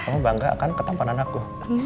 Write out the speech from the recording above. kamu bangga akan ketampanan aku